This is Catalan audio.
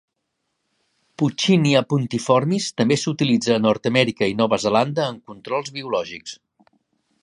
"Puccinia punctiformis" també s'utilitza a Nord Amèrica i Nova Zelanda en controls biològics.